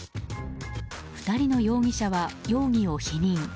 ２人の容疑者は容疑を否認。